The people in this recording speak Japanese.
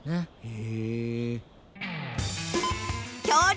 へえ。